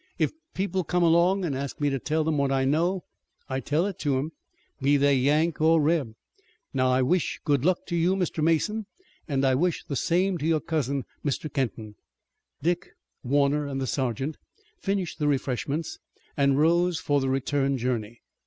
If people come along an' ask me to tell what I know I tell it to 'em, be they Yank or Reb. Now, I wish good luck to you, Mr. Mason, an' I wish the same to your cousin, Mr. Kenton." Dick, Warner and the sergeant finished the refreshments and rose for the return journey.